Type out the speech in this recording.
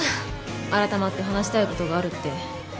改まって話したい事があるって。